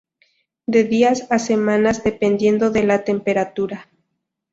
De días a semanas dependiendo de la temperatura.